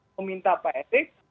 meminta pak erick